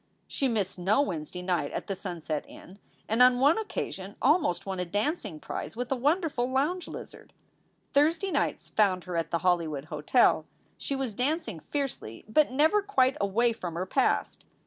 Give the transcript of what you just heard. She missed no Wednesday night at the Sunset Inn, and on one occasion almost won a dancing prize with a wonderful lounge lizard. Thursday nights found her at the Hollywood Hotel. She was dancing fiercely, but never quite away from her past.